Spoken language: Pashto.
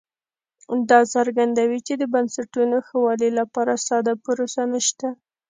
دا څرګندوي چې د بنسټونو ښه والي لپاره ساده پروسه نشته